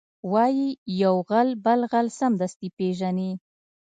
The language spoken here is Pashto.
وایي یو غل بل غل سمدستي پېژني